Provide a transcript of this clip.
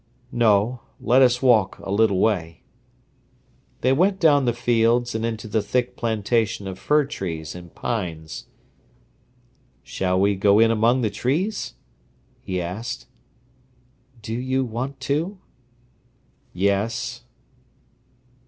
"No, let us walk a little way." They went down the fields and into the thick plantation of trees and pines. "Shall we go in among the trees?" he asked. "Do you want to?" "Yes."